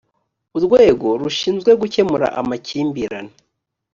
urwego rushinzwe gukemura amakimbirane